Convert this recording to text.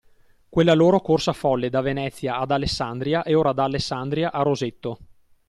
Quella loro corsa folle da Venezia ad Alessandria e ora da Alessandria a Rosetto